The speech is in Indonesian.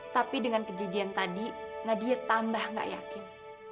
tapi dengan kejadian tadi nadia tambah gak yakin